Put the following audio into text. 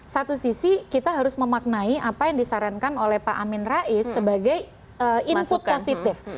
satu sisi kita harus memaknai apa yang disarankan oleh pak amin rais sebagai input positif